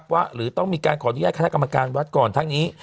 ว่าหรือต้องมีการขออนุญาตข้างหน้ากรรมการวัดก่อนทั้งนี้